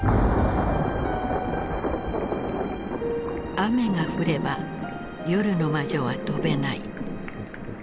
雨が降れば夜の魔女は飛べない。